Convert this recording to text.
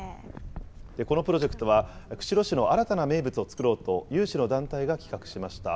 このプロジェクトは、釧路市の新たな名物を作ろうと、有志の団体が企画しました。